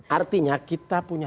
artinya kita punya